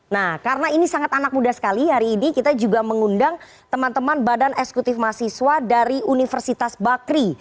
nah karena ini sangat anak muda sekali hari ini kita juga mengundang teman teman badan eksekutif mahasiswa dari universitas bakri